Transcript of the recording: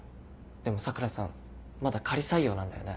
でも佐倉さんまだ仮採用なんだよね？